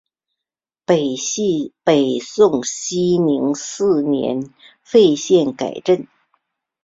北宋熙宁四年废县改镇。